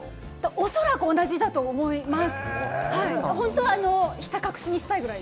おそらく同じだと思います。